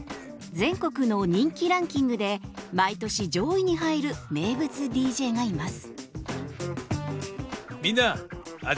全国の人気ランキングで毎年上位に入る名物ＤＪがいます。